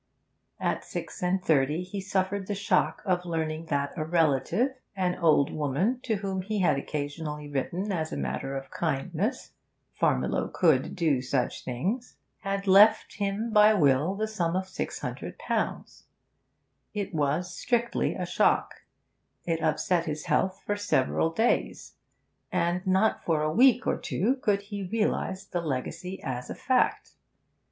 At six and thirty he suffered the shock of learning that a relative an old woman to whom he had occasionally written as a matter of kindness (Farmiloe could do such things) had left him by will the sum of £600. It was strictly a shock; it upset his health for several days, and not for a week or two could he realise the legacy as a fact.